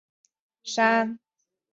阿瓦萨克萨山。